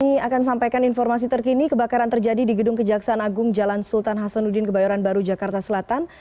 kami akan sampaikan informasi terkini kebakaran terjadi di gedung kejaksaan agung jalan sultan hasanuddin kebayoran baru jakarta selatan